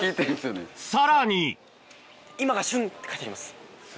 さらにって書いてあります。